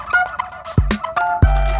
kau mau kemana